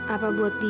apa buat dia aku ini